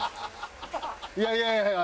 いやいやいやいや。